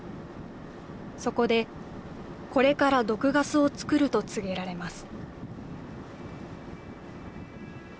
そこでこれから毒ガスをつくると告げられます